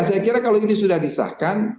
saya kira kalau ini sudah disahkan